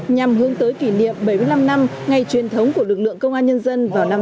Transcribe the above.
nhằm hướng tới kỷ niệm bảy mươi năm năm ngày truyền thống của lực lượng công an nhân dân vào năm hai nghìn hai mươi